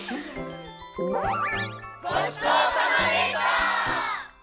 ごちそうさまでした！